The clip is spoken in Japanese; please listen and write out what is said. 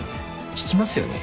引きますよね。